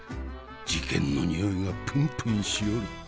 事件のにおいがプンプンしよる。